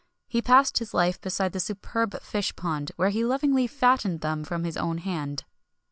He passed his life beside the superb fish pond, where he lovingly fattened them from his own hand.